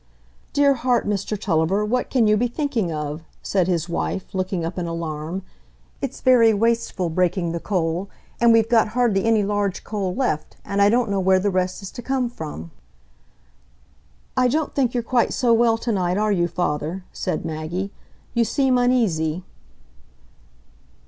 "Dear heart, Mr Tulliver, what can you be thinking of?" said his wife, looking up in alarm; "it's very wasteful, breaking the coal, and we've got hardly any large coal left, and I don't know where the rest is to come from." "I don't think you're quite so well to night, are you, father?" said Maggie; "you seem uneasy."